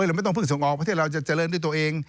ไม่ต้องเพิ่งส่งออกเพราะที่เราจะเจริญด้วยตัวเอง